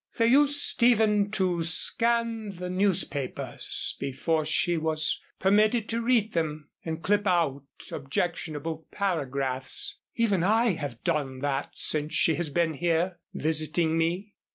They used even to scan the newspapers before she was permitted to read them, and clip out objectionable paragraphs. Even I have done that since she has been here visiting me.